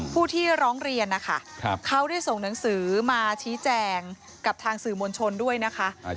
ผู้ที่ร้องเรียนนะคะเขาได้ส่งหนังสือมาชี้แจงกับทางสื่อมวลชนด้วยนะคะ